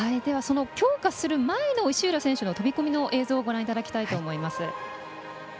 強化する前の石浦選手の飛び込みの映像をご覧いただきたいと思います。